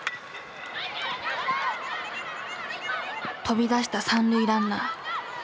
飛び出した三塁ランナー。